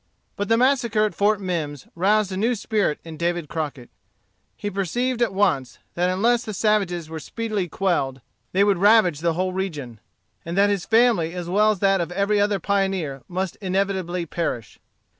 But the massacre at Fort Mimms roused a new spirit in David Crockett. He perceived at once, that unless the savages were speedily quelled, they would ravage the whole region; and that his family as well as that of every other pioneer must inevitably perish.